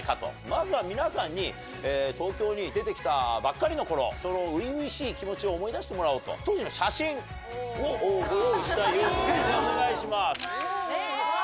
まずは皆さんに東京に出て来たばっかりの頃その初々しい気持ちを思い出してもらおうと。をご用意したようですねお願いします。